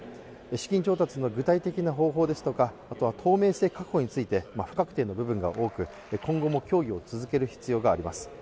資金調達の具体的な方法ですとか透明性確保について不確定な部分が多く今後も協議を続ける必要があります。